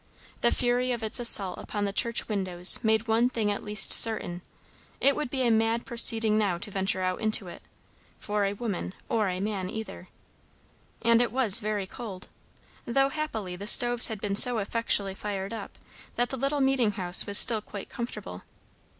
The fury of its assault upon the church windows made one thing at least certain; it would be a mad proceeding now to venture out into it, for a woman or a man either. And it was very cold; though happily the stoves had been so effectually fired up, that the little meeting house was still quite comfortable.